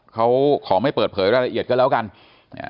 เขาขอไม่เปิดเผยรายละเอียดก็แล้วกันอ่า